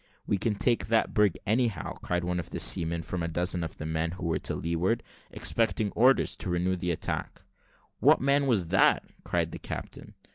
"We can take that brig, anyhow," cried one of the seamen, from a dozen of the men who were to leeward, expecting orders to renew the attack. "What man was that?" cried the captain.